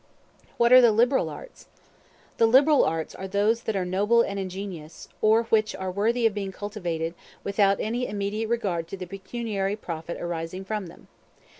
What are the Liberal Arts? The liberal arts are those that are noble and ingenious, or which are worthy of being cultivated without any immediate regard to the pecuniary profit arising from them.